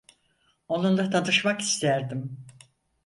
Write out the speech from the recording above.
Onunla tanışmak isterdim.